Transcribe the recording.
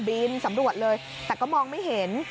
บินสำรวจเลยแต่ก็มองไม่เห็น